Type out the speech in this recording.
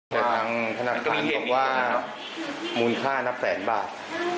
ทางธนาคารบอกว่ามูลค่านับแสนบาท